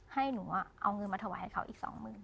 ให้หนูเอาเงินมาถวายให้เขาอีก๒๐๐๐